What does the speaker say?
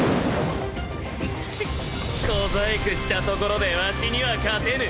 フッ小細工したところでわしには勝てぬ。